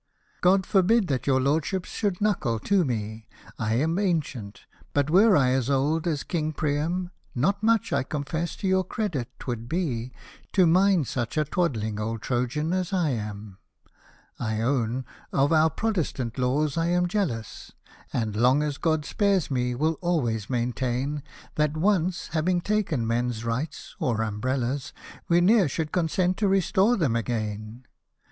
" God forbid that your Lordships should knuckle to me ; I am ancient — but were I as old as King Priam, Not much, I confess, to your credit 'twould be, To mind such a twaddling old Trojan as I am. P Hosted by Google 210 SATIRICAL AND HUMOROUS POEMS I own, of our Protestant laws I am jealous, And, long as God spares me, will always maintain. That, once having taken men's rights, or umbrellas, We ne'er should consent to restore them again.